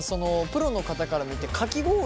プロの方から見てかき氷